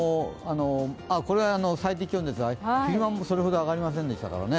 これは最低気温ですが昼間もそれほど上がりませんでしたからね。